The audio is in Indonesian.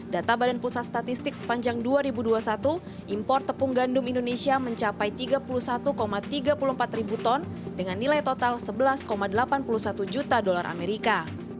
data badan pusat statistik sepanjang dua ribu dua puluh satu impor tepung gandum indonesia mencapai tiga puluh satu tiga puluh empat ribu ton dengan nilai total sebelas delapan puluh satu juta dolar amerika